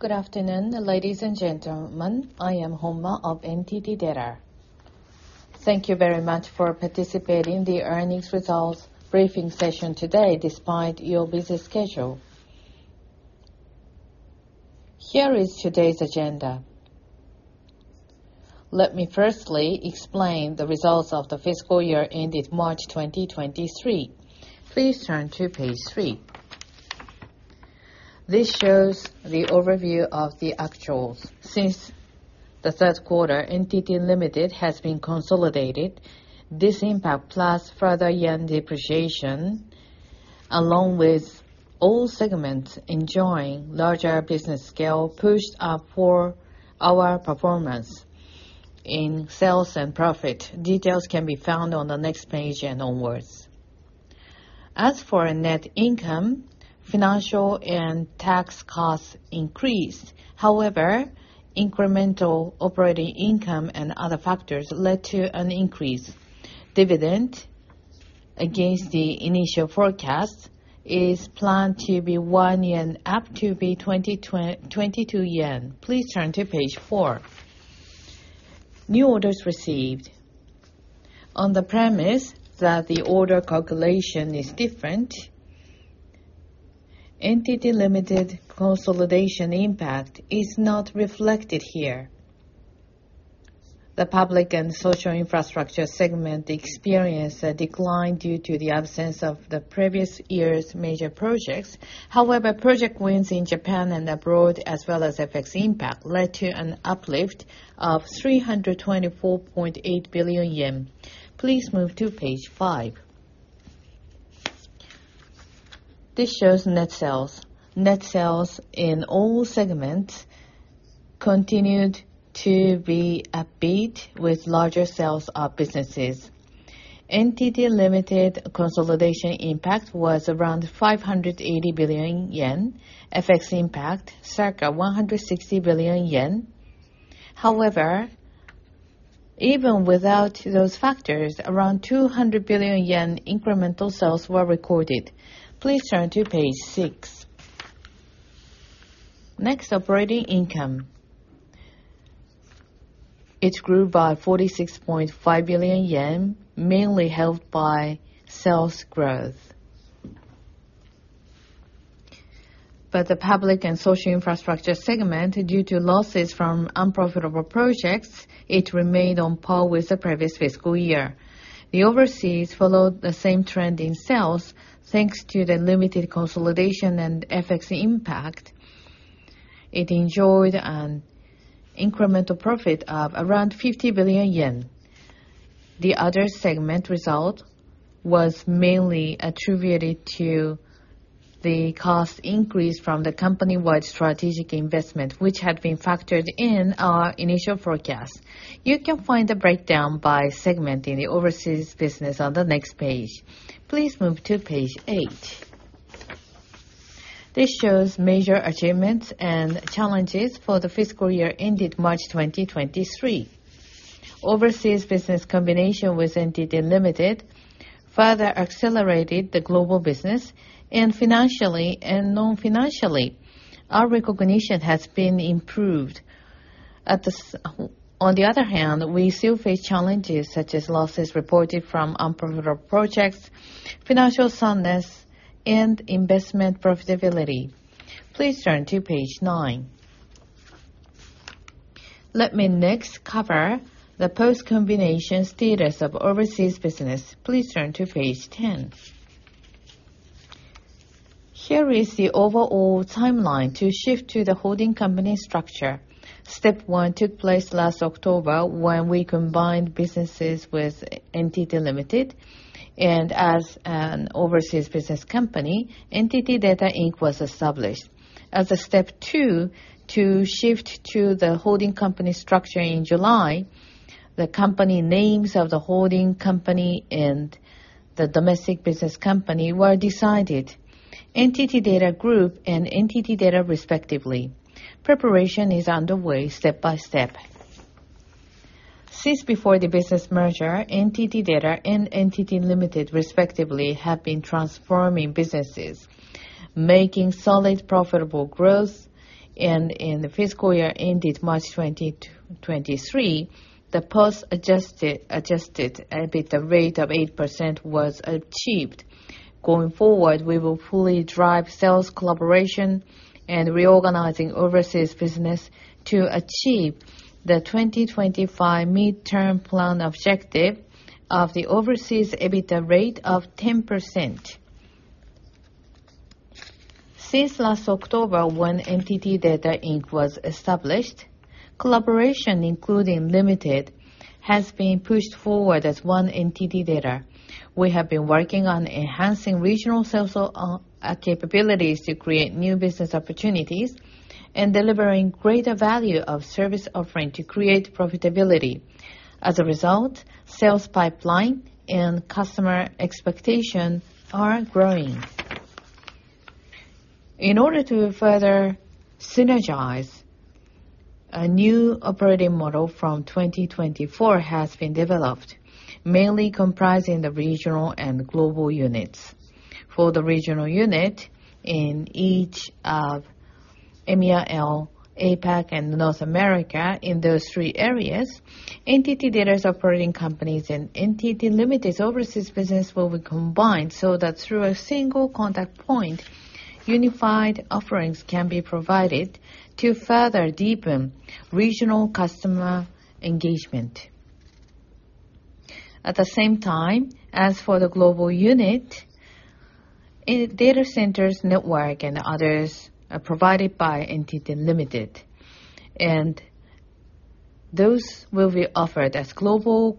Good afternoon, ladies and gentlemen. I am Honma of NTT DATA. Thank you very much for participating the earnings results briefing session today despite your busy schedule. Here is today's agenda. Let me firstly explain the results of the fiscal year ended March 2023. Please turn to page three. This shows the overview of the actuals. Since the third quarter, NTT Ltd. has been consolidated. This impact plus further yen depreciation, along with all segments enjoying larger business scale, pushed up for our performance in sales and profit. Details can be found on the next page and onwards. As for our net income, financial and tax costs increased. Incremental operating income and other factors led to an increased dividend against the initial forecast is planned to be 1 yen up to be 22 yen. Please turn to page four. New orders received. On the premise that the order calculation is different, NTT Ltd. consolidation impact is not reflected here. The Public & Social Infrastructure Segment experienced a decline due to the absence of the previous year's major projects. Project wins in Japan and abroad, as well as FX impact, led to an uplift of 324.8 billion yen. Please move to page five. This shows net sales. Net sales in all segments continued to be upbeat with larger sales of businesses. NTT Ltd. consolidation impact was around 580 billion yen. FX impact, circa 160 billion yen. Even without those factors, around 200 billion yen incremental sales were recorded. Please turn to page six. Operating income. It grew by 46.5 billion yen, mainly helped by sales growth. The Public & Social Infrastructure Segment, due to losses from unprofitable projects, it remained on par with the previous fiscal year. The Overseas followed the same trend in sales. Thanks to the limited consolidation and FX impact, it enjoyed an incremental profit of around 50 billion yen. The other segment result was mainly attributed to the cost increase from the company-wide strategic investment, which had been factored in our initial forecast. You can find the breakdown by segment in the overseas business on the next page. Please move to page eight. This shows major achievements and challenges for the fiscal year ended March 2023. Overseas business combination with NTT Ltd. further accelerated the global business and financially and non-financially our recognition has been improved. On the other hand, we still face challenges such as losses reported from unprofitable projects, financial soundness and investment profitability. Please turn to page nine. Let me next cover the post-combination status of overseas business. Please turn to page 10. Here is the overall timeline to shift to the holding company structure. Step one took place last October when we combined businesses with NTT Ltd. and as an overseas business company, NTT DATA, Inc. was established. As a step two, to shift to the holding company structure in July, the company names of the holding company and the domestic business company were decided, NTT DATA Group and NTT DATA respectively. Preparation is underway step by step. Since before the business merger, NTT DATA and NTT Ltd. respectively have been transforming businesses, making solid profitable growth. In the fiscal year ended March 2023, the post adjusted EBITDA rate of 8% was achieved. Going forward, we will fully drive sales collaboration and reorganizing overseas business to achieve the 2025 midterm plan objective of the overseas EBITDA rate of 10%. Since last October, when NTT DATA, Inc. was established, collaboration including NTT Ltd. has been pushed forward as one NTT DATA. We have been working on enhancing regional sales capabilities to create new business opportunities and delivering greater value of service offering to create profitability. As a result, sales pipeline and customer expectation are growing. In order to further synergize. A new operating model from 2024 has been developed, mainly comprising the regional and global units. For the regional unit in each of EMEAL, APAC, and North America, in those three areas, NTT DATA's operating companies and NTT Ltd.'s overseas business will be combined so that through a single contact point, unified offerings can be provided to further deepen regional customer engagement. At the same time, as for the global unit, in data centers, network, and others, provided by NTT Ltd., and those will be offered as global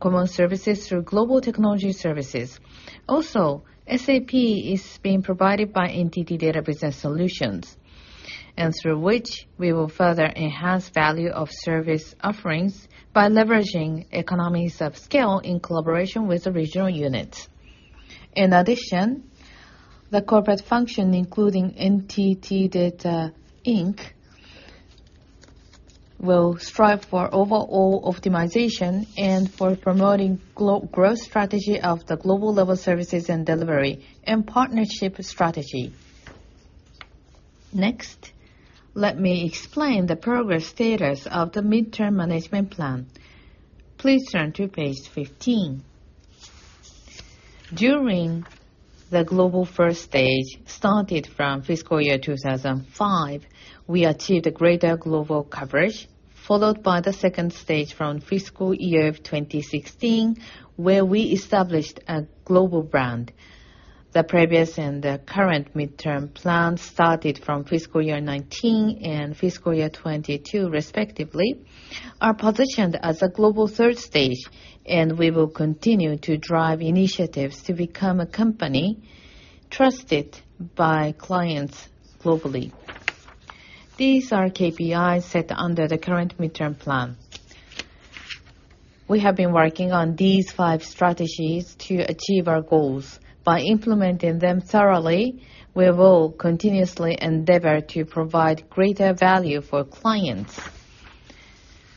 common services through Global Technology Services. Also, SAP is being provided by NTT DATA Business Solutions, and through which we will further enhance value of service offerings by leveraging economies of scale in collaboration with the regional units. In addition, the corporate function, including NTT DATA, Inc., will strive for overall optimization and for promoting growth strategy of the global level services and delivery and partnership strategy. Next, let me explain the progress status of the midterm management plan. Please turn to page 15. During the global first stage, started from fiscal year 2005, we achieved a greater global coverage, followed by the second stage from fiscal year 2016, where we established a global brand. The previous and the current midterm plan started from fiscal year 2019 and fiscal year 2022 respectively, are positioned as a global third stage. We will continue to drive initiatives to become a company trusted by clients globally. These are KPIs set under the current midterm plan. We have been working on these five strategies to achieve our goals. By implementing them thoroughly, we will continuously endeavor to provide greater value for clients.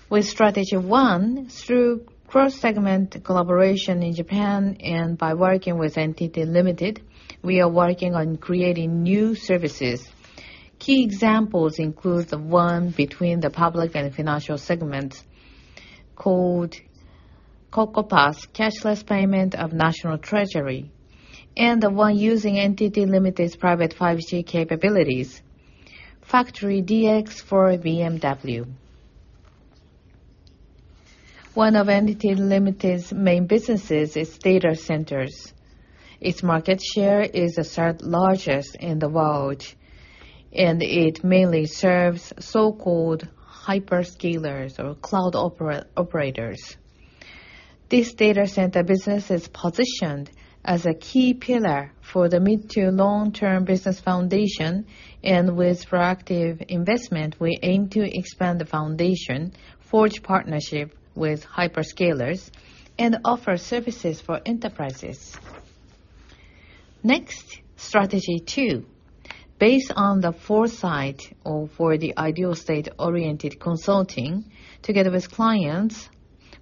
With strategy one, through cross-segment collaboration in Japan and by working with NTT Ltd., we are working on creating new services. Key examples include the one between the public and financial segments called KOKO PASS, Cashless Payment of National Treasury, and the one using NTT Ltd.'s private 5G capabilities, factory DX for BMW. One of NTT Ltd.'s main businesses is data centers. Its market share is the third-largest in the world, and it mainly serves so-called hyperscalers or cloud operators. This data center business is positioned as a key pillar for the mid to long-term business foundation, and with proactive investment, we aim to expand the foundation, forge partnership with hyperscalers, and offer services for enterprises. Strategy two. Based on the foresight or for the ideal state-oriented consulting together with clients,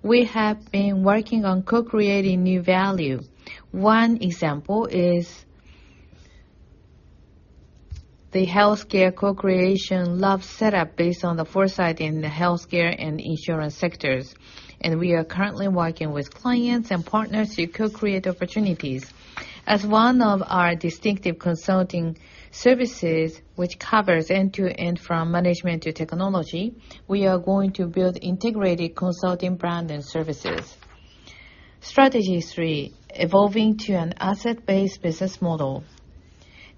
we have been working on co-creating new value. One example is the healthcare co-creation lab setup based on the foresight in the healthcare and insurance sectors. We are currently working with clients and partners to co-create opportunities. As one of our distinctive consulting services which covers end-to-end from management to technology, we are going to build integrated consulting brand and services. Strategy three: evolving to an asset-based business model.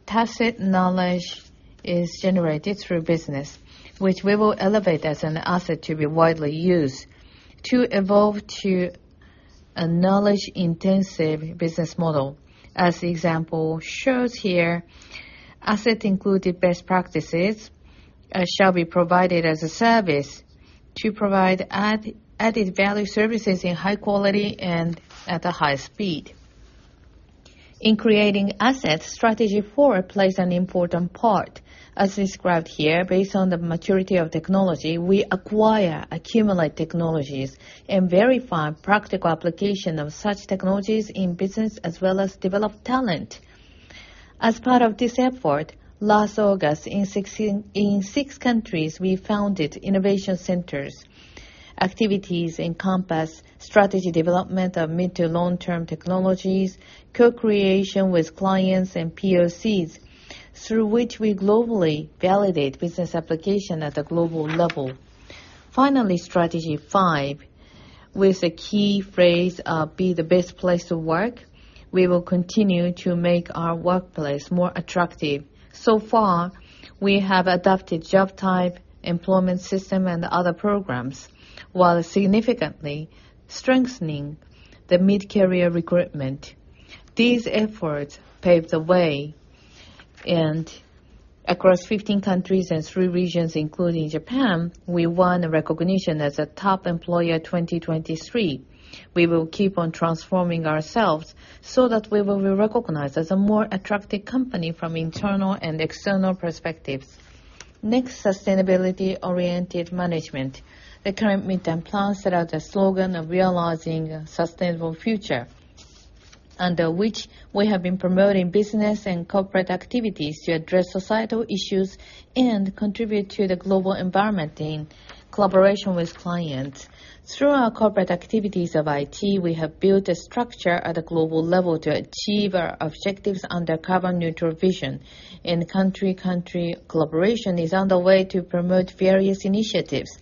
Tacit knowledge is generated through business, which we will elevate as an asset to be widely used to evolve to a knowledge-intensive business model. As the example shows here, asset-included best practices shall be provided as a service to provide add-added value services in high quality and at a high speed. In creating assets, strategy four plays an important part. As described here, based on the maturity of technology, we acquire, accumulate technologies, and verify practical application of such technologies in business, as well as develop talent. As part of this effort, last August, in six countries, we founded Innovation Centers. Activities encompass strategy development of mid to long-term technologies, co-creation with clients, and POCs, through which we globally validate business application at a global level. Finally, strategy five. With the key phrase, "Be the best place to work," we will continue to make our workplace more attractive. So far, we have adapted job type, employment system, and other programs, while significantly strengthening the mid-career recruitment. These efforts paved the way, and across 15 countries and three regions, including Japan, we won recognition as a Top Employer 2023. We will keep on transforming ourselves so that we will be recognized as a more attractive company from internal and external perspectives. Next, sustainability-oriented management. The current midterm plan set out the slogan of realizing a sustainable future, under which we have been promoting business and corporate activities to address societal issues and contribute to the global environment in collaboration with clients. Through our corporate activities of IT, we have built a structure at a global level to achieve our objectives under Carbon-neutral Vision. Country-country collaboration is underway to promote various initiatives.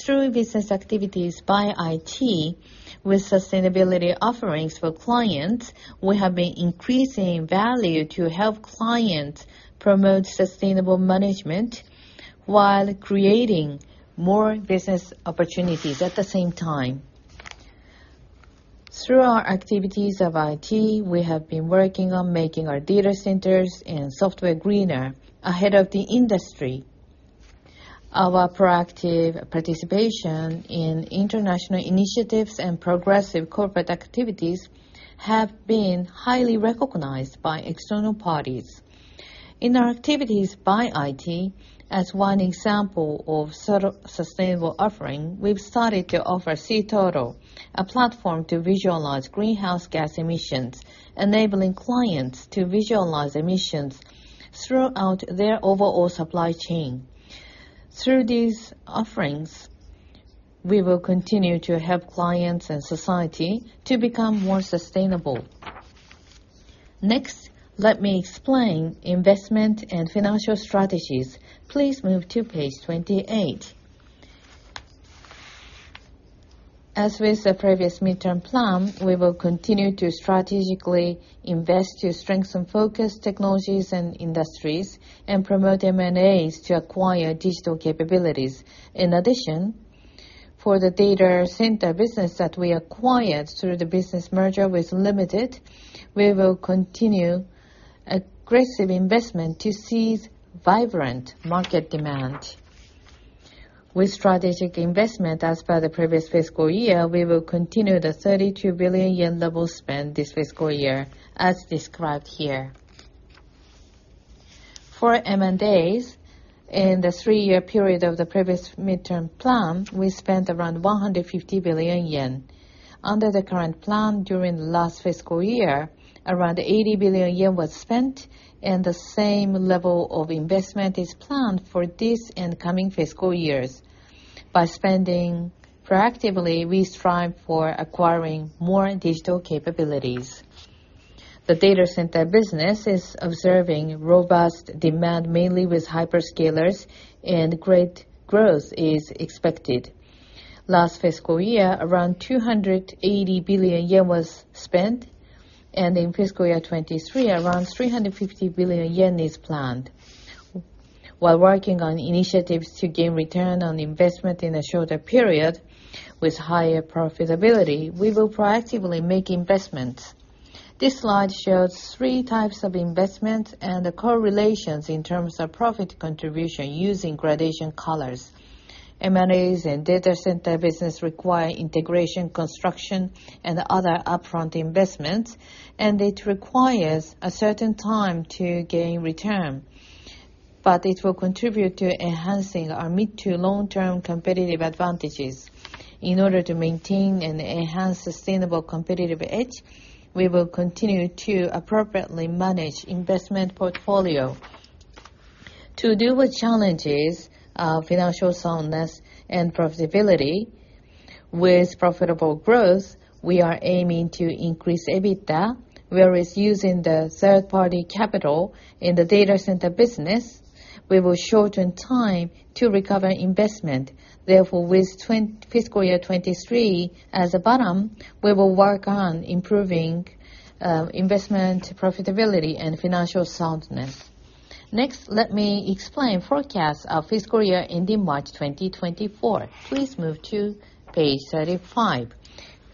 Through business activities by IT with sustainability offerings for clients, we have been increasing value to help clients promote sustainable management while creating more business opportunities at the same time. Through our activities of IT, we have been working on making our data centers and software greener ahead of the industry. Our proactive participation in international initiatives and progressive corporate activities have been highly recognized by external parties. In our activities by IT, as one example of sustainable offering, we've started to offer C-Turtle, a platform to visualize greenhouse gas emissions, enabling clients to visualize emissions throughout their overall supply chain. Through these offerings, we will continue to help clients and society to become more sustainable. Let me explain investment and financial strategies. Please move to page 28. As with the previous midterm plan, we will continue to strategically invest to strengthen focus technologies and industries and promote M&As to acquire digital capabilities. For the data center business that we acquired through the business merger with NTT Ltd., we will continue aggressive investment to seize vibrant market demand. With strategic investment as per the previous fiscal year, we will continue the 32 billion yen level spend this fiscal year, as described here. For M&As in the three-year period of the previous midterm plan, we spent around 150 billion yen. Under the current plan during last fiscal year, around 80 billion yen was spent. The same level of investment is planned for this and coming fiscal years. By spending proactively, we strive for acquiring more digital capabilities. The data center business is observing robust demand, mainly with hyperscalers, great growth is expected. Last fiscal year, around 280 billion yen was spent, in fiscal year 2023, around 350 billion yen is planned. While working on initiatives to gain return on investment in a shorter period with higher profitability, we will proactively make investments. This slide shows three types of investment and the correlations in terms of profit contribution using gradation colors. M&As and data center business require integration, construction, and other upfront investments, it requires a certain time to gain return. It will contribute to enhancing our mid-to-long-term competitive advantages. In order to maintain and enhance sustainable competitive edge, we will continue to appropriately manage investment portfolio. To deal with challenges of financial soundness and profitability, with profitable growth, we are aiming to increase EBITDA, whereas using the third-party capital in the data center business, we will shorten time to recover investment. Therefore, with fiscal year 2023 as a bottom, we will work on improving investment profitability and financial soundness. Next, let me explain forecasts of fiscal year ending March 2024. Please move to page 35.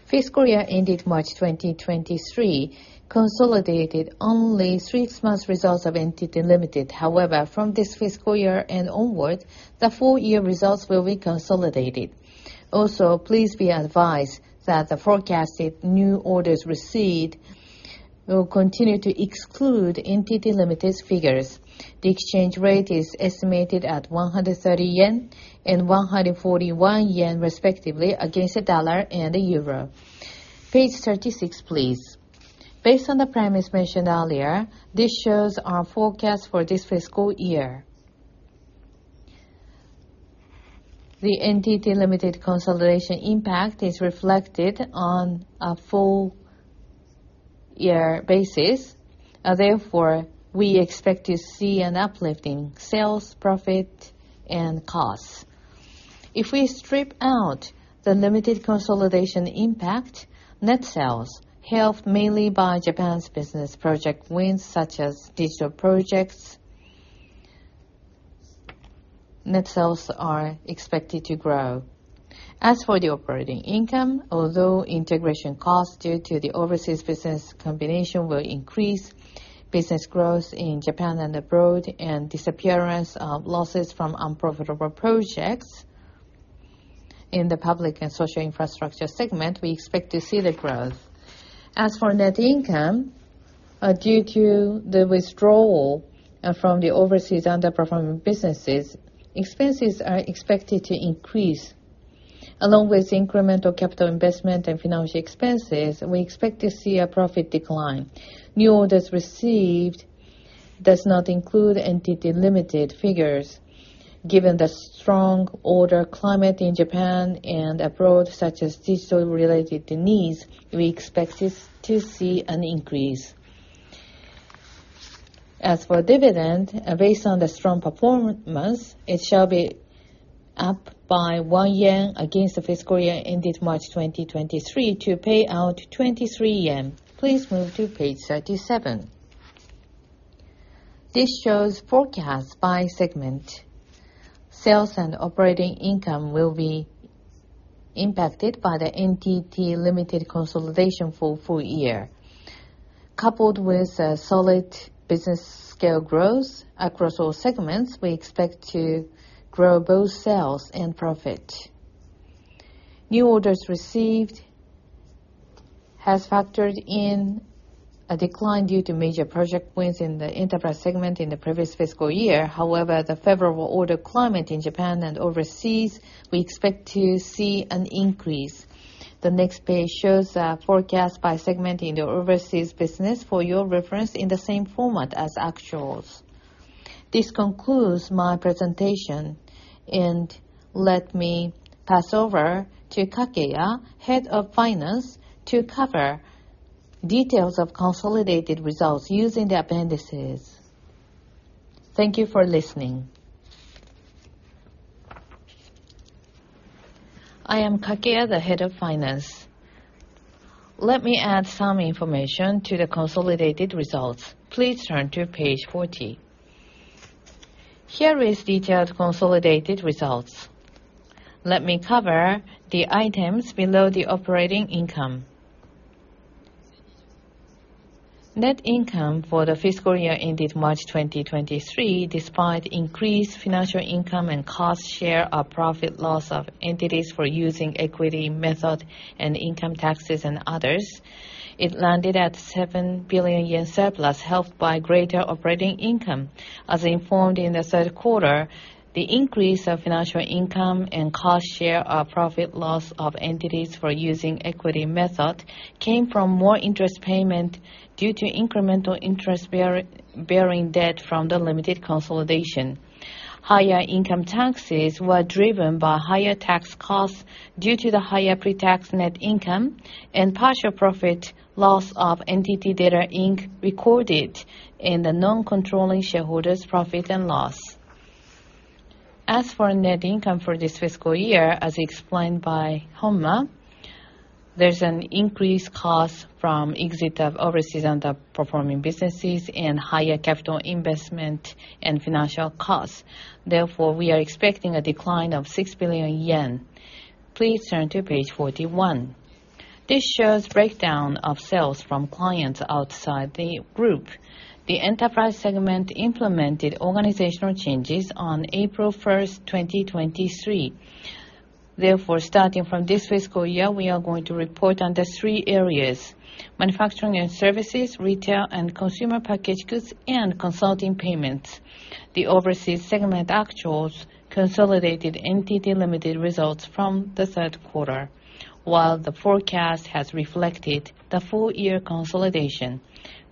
Fiscal year ending March 2023 consolidated only three months results of NTT Ltd. However, from this fiscal year and onwards, the full year results will be consolidated. Also, please be advised that the forecasted new orders received will continue to exclude NTT Ltd.'s figures. The exchange rate is estimated at 130 yen and 141 yen respectively against the dollar and the euro. Page 36, please. Based on the premise mentioned earlier, this shows our forecast for this fiscal year. The NTT Ltd. consolidation impact is reflected on a full year basis. Therefore, we expect to see an uplift in sales, profit, and costs. If we strip out the limited consolidation impact, net sales helped mainly by Japan's business project wins such as digital projects. Net sales are expected to grow. As for the operating income, although integration costs due to the overseas business combination will increase, business growth in Japan and abroad and disappearance of losses from unprofitable projects. In the Public & Social Infrastructure Segment, we expect to see the growth. As for net income, due to the withdrawal from the overseas underperforming businesses, expenses are expected to increase. Along with incremental capital investment and financial expenses, we expect to see a profit decline. New orders received does not include NTT Ltd. figures. Given the strong order climate in Japan and abroad, such as digital-related needs, we expect this to see an increase. As for dividend, based on the strong performance, it shall be up by 1 yen against the fiscal year ended March 2023 to pay out 23 yen. Please move to page 37. This shows forecast by segment. Sales and operating income will be impacted by the NTT Ltd. consolidation for full year. Coupled with a solid business scale growth across all segments, we expect to grow both sales and profit. New orders received has factored in a decline due to major project wins in the Enterprise Segment in the previous fiscal year. The favorable order climate in Japan and overseas, we expect to see an increase. The next page shows a forecast by segment in the overseas business for your reference in the same format as actuals. This concludes my presentation, and let me pass over to Kakeya, Head of Finance, to cover details of consolidated results using the appendices. Thank you for listening. I am Kakeya, the Head of Finance. Let me add some information to the consolidated results. Please turn to page 40. Here is detailed consolidated results. Let me cover the items below the operating income. Net income for the fiscal year ended March 2023, despite increased financial income and cost share of profit loss of entities for using equity method and income taxes and others, it landed at 7 billion yen surplus helped by greater operating income. As informed in the third quarter, the increase of financial income and cost share of profit loss of entities for using equity method came from more interest payment due to incremental interest-bearing debt from the limited consolidation. Higher income taxes were driven by higher tax costs due to the higher pre-tax net income and partial profit loss of NTT DATA, Inc. recorded in the non-controlling shareholders' profit and loss. As for net income for this fiscal year, as explained by Honma, there's an increased cost from exit of overseas underperforming businesses and higher capital investment and financial costs. We are expecting a decline of 6 billion yen. Please turn to page 41. This shows breakdown of sales from clients outside the group. The Enterprise Segment implemented organizational changes on April 1st, 2023. Starting from this fiscal year, we are going to report under three areas: manufacturing and services, retail and consumer packaged goods, and consulting payments. The Overseas Segment actuals consolidated NTT Ltd. results from the third quarter, while the forecast has reflected the full year consolidation.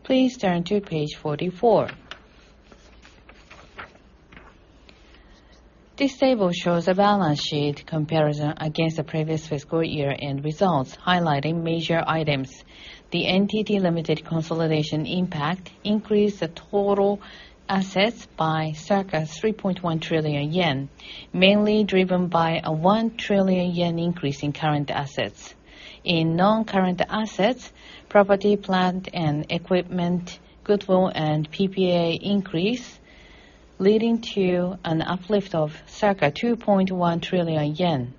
Please turn to page 44. This table shows a balance sheet comparison against the previous fiscal year-end results, highlighting major items. The NTT Ltd. consolidation impact increased the total assets by circa 3.1 trillion yen, mainly driven by a 1 trillion yen increase in current assets. In non-current assets, property, plant and equipment, goodwill and PPA increase, leading to an uplift of circa 2.1 trillion yen.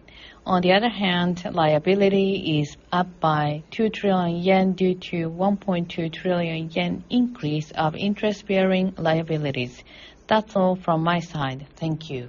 Liability is up by 2 trillion yen due to 1.2 trillion yen increase of interest-bearing liabilities. That's all from my side. Thank you.